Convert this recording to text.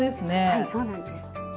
はいそうなんです。